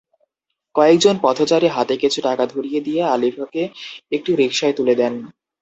কয়েকজন পথচারী হাতে কিছু টাকা ধরিয়ে দিয়ে আলিফাকে একটি রিকশায় তুলে দেন।